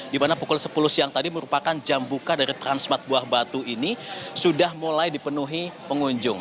dimana pukul sepuluh siang tadi merupakan jam buka dari transmart buah batu ini sudah mulai dipenuhi pengunjung